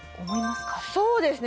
そうですね